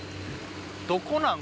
どこなん？